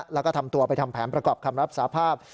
แล้วก็ทำตัวไปทำแผนประกอบคำรับสาภาพ